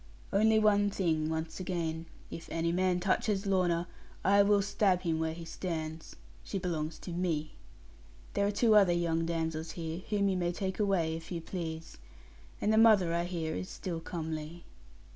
Only one thing, once again. If any man touches Lorna, I will stab him where he stands. She belongs to me. There are two other young damsels here, whom you may take away if you please. And the mother, I hear, is still comely.